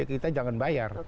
kita jangan bayar